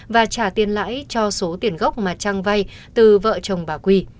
và trả tiền lãi cho số tiền gốc mà trang vay từ vợ chồng bà quy